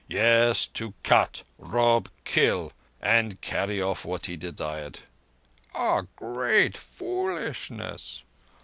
Yes, to cut, rob, kill, and carry off what he desired." "A great foolishness!"